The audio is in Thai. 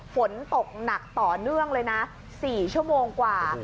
ฝนตกหนักต่อเนื่องเลยนะ๔ชั่วโมงกว่า